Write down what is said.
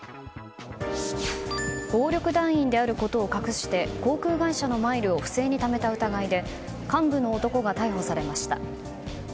暴力団員であることを隠して航空会社のマイルを不正にためた疑いで幹部の男が逮捕されました。